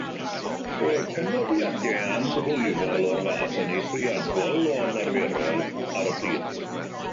Roedd penodiadau amhlwyfol o'r fath yn eithriadol o anarferol ar y pryd.